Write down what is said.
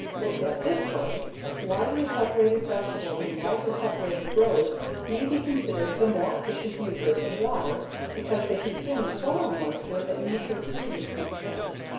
Looked at this way, widely separated vegetables in widely separated rows may be considered the more efficient users of water because they consume soil moisture that nature freely puts there.